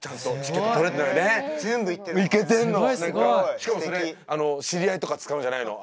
しかもそれ知り合いとか使うんじゃないの。